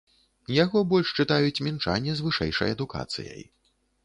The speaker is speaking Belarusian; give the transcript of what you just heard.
Яго больш чытаюць мінчане з вышэйшай адукацыяй.